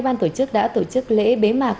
ban tổ chức đã tổ chức lễ bế mạc